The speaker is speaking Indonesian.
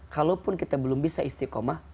kalaupun kita belum bisa istiqomah